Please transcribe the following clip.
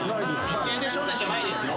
家出少年じゃないですよ。